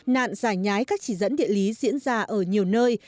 nạn giải nhái các chỉ dẫn địa lý diễn ra ở nhiều nơi